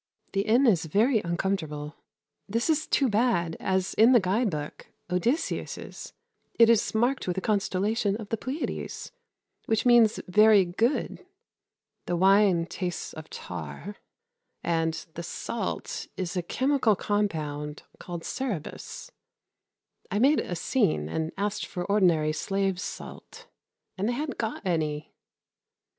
The inn is very uncomfortable. This is too bad, as in the guide book (Odysseus') it is marked with a constellation of the Pleiades, which means very good. The wine tastes of tar. And the salt is a chemical compound called Σερεβος. I made a scene and asked for ordinary slaves' salt, and they hadn't got any.